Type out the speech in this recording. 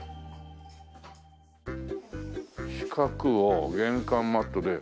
四角を玄関マットで。